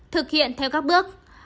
thực hiện theo các bước